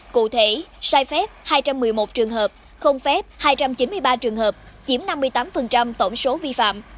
cụ thể sai phép hai trăm một mươi một trường hợp không phép hai trăm chín mươi ba trường hợp chiếm năm mươi tám tổng số vi phạm